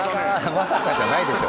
まさかじゃないでしょ。